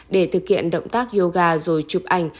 để thực hiện động tác yoga rồi chụp ảnh